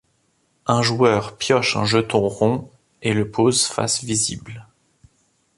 Un joueur pioche un jeton rond et le pose face visible.